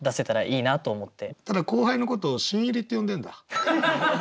ただ後輩のことを「新入り」って呼んでんだ？